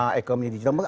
ah ekonomi digital